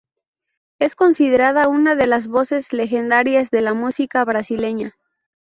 Es considerada una de las voces legendarias de la música brasileña.